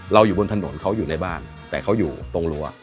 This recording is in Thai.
อยู่บนถนนเขาอยู่ในบ้านแต่เขาอยู่ตรงรั้ว